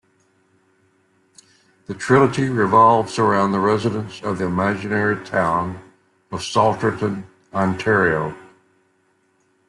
The trilogy revolves around the residents of the imaginary town of Salterton, Ontario.